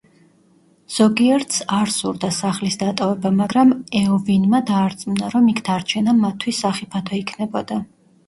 ზოგიერთს არ სურდა სახლის დატოვება, მაგრამ ეოვინმა დაარწმუნა, რომ იქ დარჩენა მათთვის სახიფათო იქნებოდა.